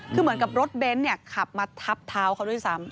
คือเหมือนกับรถเบนท์ขับมาทับเท้าเขาด้วยซ้ำ